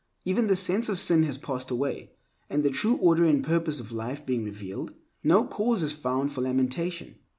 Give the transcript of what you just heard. Even the sense of sin has passed away, and the true order and purpose of life being revealed, no cause is found for lamentation.